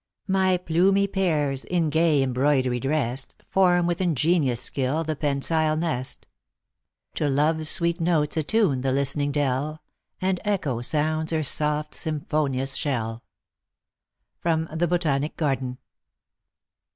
My plumy pairs, in gay embroidery dressed, Form with ingenious skill the pensile nest ; To Love s sweet notes attune the listening dell, And Echo sounds her soft symphonious shell. The Botanic Garden.